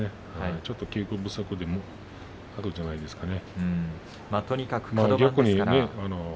ちょっと稽古不足であるんじゃないですかね。